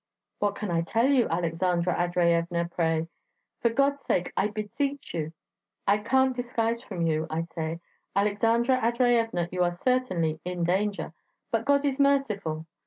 'What can I tell you, Aleksandra Andreyevna, pray?' 'For God's sake, I beseech you!' 'I can't disguise from you,' I say, 'Aleksandra Andreyevna; you are certainly in danger; but God is merciful.'